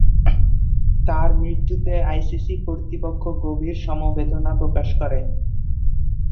তার মৃত্যুতে আইসিসি কর্তৃপক্ষ গভীর সমবেদনা প্রকাশ করে।